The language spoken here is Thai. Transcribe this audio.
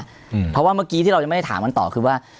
เพราะว่าเมื่อกี้ที่เราจะไม่ได้ถามกันต่อคือว่า